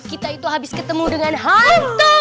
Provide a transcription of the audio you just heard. kita itu habis ketemu dengan har